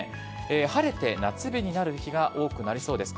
晴れて夏日になる日が多くなりそうです。